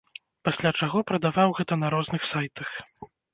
Пасля чаго прадаваў гэта на розных сайтах.